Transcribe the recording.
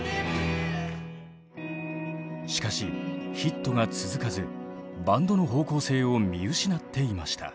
しかしヒットが続かずバンドの方向性を見失っていました。